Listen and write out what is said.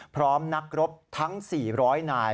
พร้อมนักรบทั้ง๔๐๐นาย